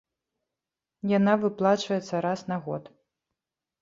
Яна выплачваецца раз на год.